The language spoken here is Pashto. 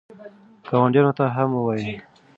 ګاونډیانو ته هم ووایئ.